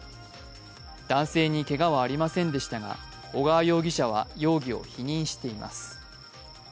男性にけがはありませんでしたが小川容疑者は容疑を否認しています。